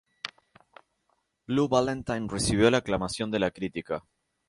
Blue Valentine recibió la aclamación de la crítica.